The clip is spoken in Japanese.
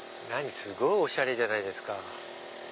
すごいおしゃれじゃないですか。